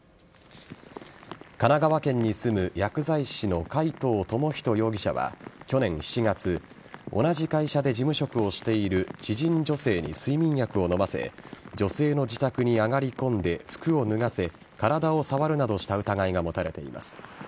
神奈川県に住む薬剤師の海藤智仁容疑者は去年７月同じ会社で事務職をしている知人女性に睡眠薬を飲ませ女性の自宅に上がり込んで服を脱がせ体を触るなどした疑いが持たれています。